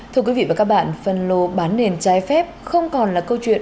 thưa quý vị và các bạn phần lô bán nền cháy phép không còn là câu chuyện